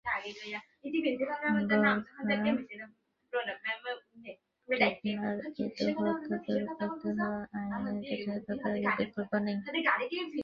বখাটেপনার এই দৌরাত্ম্য দূর করতে হলে আইনের যথাযথ প্রয়োগের বিকল্প নেই।